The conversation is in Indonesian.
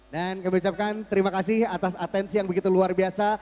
dan kami ucapkan terima kasih atas atensi yang begitu luar biasa